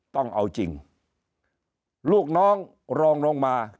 ต้องเอาจริงลูกน้องรองลงมา